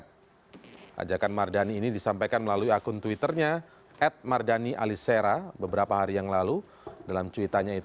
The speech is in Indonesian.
di kutub dari detik com mardani mengatakan bahwa hal ini merupakan ide kreatif kawan kawan sebagai bagian dari upaya menarik perhatian publik bahwa gerakan ini didukung dengan cara kreatif